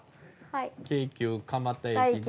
京急蒲田駅で。